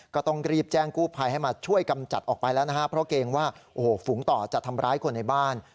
ก็ต้องรีบแจ้งกู้ภัยให้มาช่วยกำจัดออกไปแล้วนะฮะเพราะเกรงว่าโอ้โหฝูงต่อจะทำร้ายคนในบ้าน